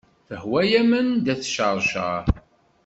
Tehwa-am nnda ad d-tecceṛceṛ.